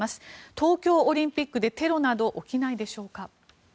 東京オリンピックでテロなど起きないでしょうか。